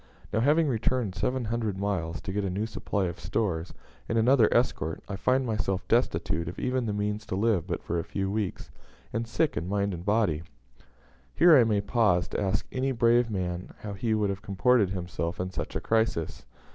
Now, having returned seven hundred miles to get a new supply of stores, and another escort, I find myself destitute of even the means to live but for a few weeks, and sick in mind and body." Here I may pause to ask any brave man how he would have comported himself in such a crisis.